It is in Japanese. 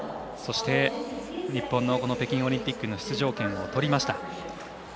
そして日本の北京オリンピックの出場権を取りました。